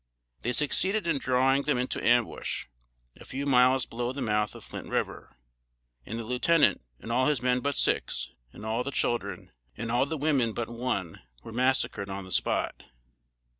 They succeeded in drawing them into ambush, a few miles below the mouth of Flint River, and the Lieutenant, and all his men but six, and all the children, and all the women but one, were massacred on the spot.